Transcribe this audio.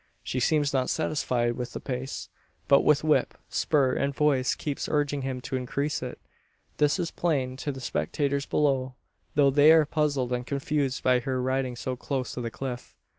She seems not satisfied with the pace; but with whip, spur, and voice keeps urging him to increase it! This is plain to the spectators below; though they are puzzled and confused by her riding so close to the cliff.